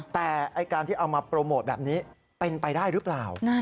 แต่การที่เอามาโปรโมทแบบนี้เป็นไปได้หรือเปล่า